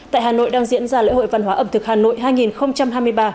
tại hà nội đang diễn ra lễ hội văn hóa ẩm thực hà nội hai nghìn hai mươi ba